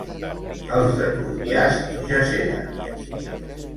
Els de Turbiàs, jaceres.